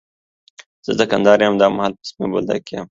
زه د کندهار يم، او دا مهال په سپين بولدک کي يم.